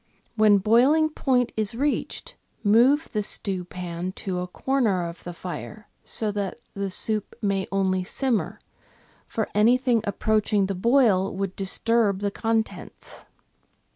When boiling point is reached, move the stewpan to a corner of the fire, so that the soup may only simmer, for anything approaching the boil would disturb the contents.